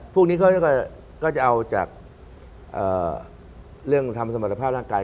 พวกนี้เขาก็จะเอาจากเรื่องทำสมรรถภาพร่างกาย